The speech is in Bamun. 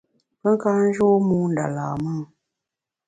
Pe ka njô mû nda lam-e ?